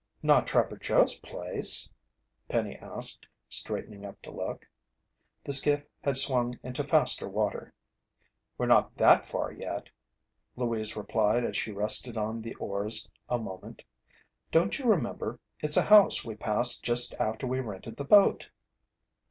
"Not Trapper Joe's place?" Penny asked, straightening up to look. The skiff had swung into faster water. "We're not that far yet," Louise replied as she rested on the oars a moment. "Don't you remember it's a house we passed just after we rented the boat."